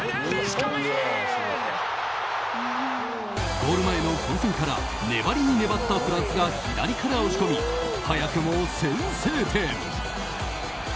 ゴール前の混戦から粘りに粘ったフランスが左から押し込み早くも先制点。